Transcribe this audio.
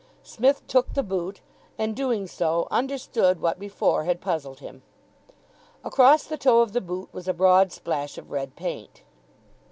Psmith took the boot, and doing so, understood what before had puzzled him. Across the toe of the boot was a broad splash of red paint.